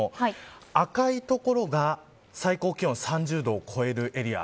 赤い所が最高気温３０度を超えるエリア。